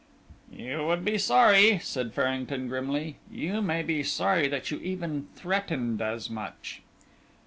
"You would be sorry," said Farrington, grimly; "you may be sorry that you even threatened as much."